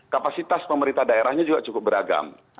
kapasitas pemerintah daerahnya juga cukup beragam